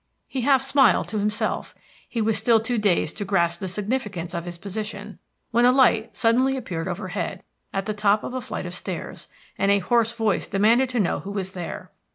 He half smiled to himself; he was still too dazed to grasp the significance of his position, when a light suddenly appeared overhead, at the top of a flight of stairs, and a hoarse voice demanded to know who was there.